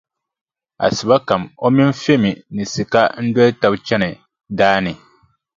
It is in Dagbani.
Asiba kam o mini Femi ni Sika n-doli taba n-chani daa ni.